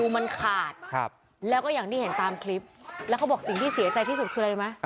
มันขาดแล้วก็อย่างที่เห็นตามคลิปแล้วเขาบอกสิ่งที่เสียใจที่สุดคืออะไรรู้ไหม